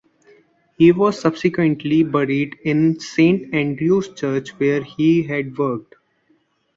He was subsequently buried in Saint Andrew's Church where he had worked.